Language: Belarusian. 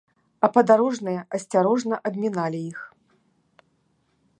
А падарожныя асцярожна абміналі іх.